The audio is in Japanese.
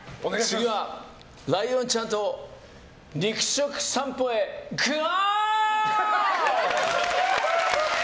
次はライオンちゃんと肉食さんぽへ、ゴー！